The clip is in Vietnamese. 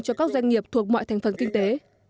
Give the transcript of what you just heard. cho các doanh nghiệp thuộc mọi thành phần kinh tế